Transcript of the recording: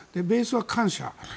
ベースは感謝。